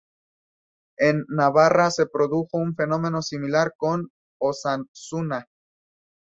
En Navarra se produjo un fenómeno similar con Osasuna.